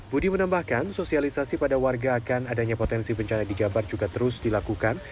budi menambahkan sosialisasi pada warga akan adanya potensi bencana di jabar juga terus dilakukan